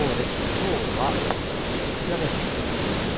きょうはこちらです。